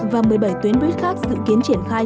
và một mươi bảy tuyến buýt khác dự kiến triển khai